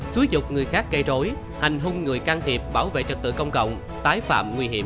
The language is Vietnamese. xúi dục người khác gây rối hành hung người can thiệp bảo vệ trật tự công cộng tái phạm nguy hiểm